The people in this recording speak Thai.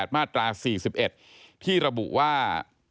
มาตรา๔๑ที่ระบุว่า